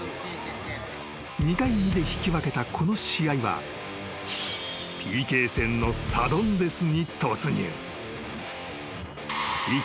［２対２で引き分けたこの試合はＰＫ戦のサドンデスに突入］